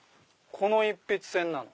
この一筆箋なの。